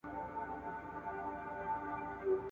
زه به د درسونو يادونه کړې وي..